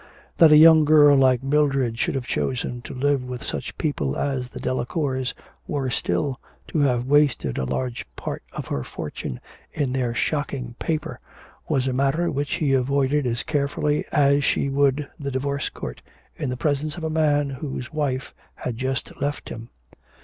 That a young girl like Mildred should have chosen to live with such people as the Delacours, worse still, to have wasted a large part of her fortune in their shocking paper, was a matter which he avoided as carefully as she would the Divorce Court, in the presence of a man whose wife has just left him.